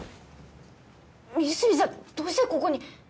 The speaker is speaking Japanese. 美澄さんどうしてここに？